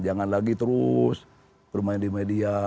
jangan lagi terus bermain di media